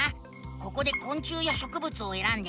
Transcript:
ここでこん虫やしょくぶつをえらんで。